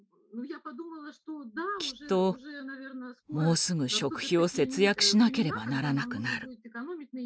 「きっともうすぐ食費を節約しなければならなくなる。